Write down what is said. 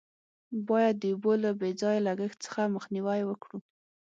باید د اوبو له بې ځایه لگښت څخه مخنیوی وکړو.